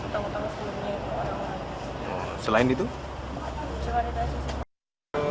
karena emang itu emang saya cuma melakukannya emang buat keperluan